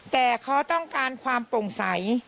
แต่เขาต้องการความโปร่งใส